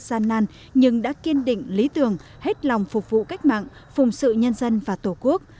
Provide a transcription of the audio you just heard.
gian nan nhưng đã kiên định lý tưởng hết lòng phục vụ cách mạng phùng sự nhân dân và tổ quốc